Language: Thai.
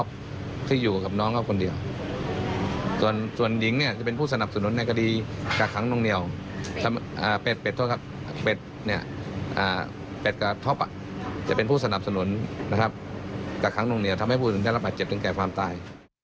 แปดและท็อปเป็นผู้สนับสนุนกับทั้งนวงเหนียวจะทำให้ผู้อื่นบาดเจ็บถึงแก่ความตาย